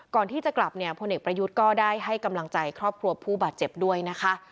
ก่อนที่จะกลับเนี่ยพลเอกประยุทธ์ก็ได้ให้กำลังใจครอบครัวผู้บาดเจ็บด้วยนะคะ